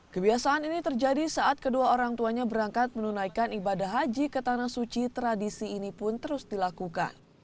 kebiasaan ini terjadi saat kedua orang tuanya berangkat menunaikan ibadah haji ke tanah suci tradisi ini pun terus dilakukan